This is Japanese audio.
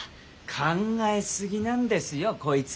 考えすぎなんですよこいつ。